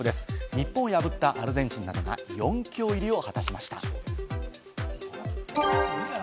日本を破ったアルゼンチンが４強入りを果たしました。